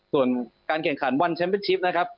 ส่วนการแข่งขันวันแชมป์เป็นชิปนะครับ